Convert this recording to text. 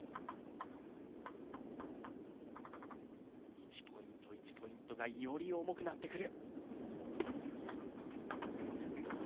１ポイント、１ポイントがより重くなってくる。